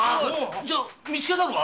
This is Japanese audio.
じゃ見つけたのか？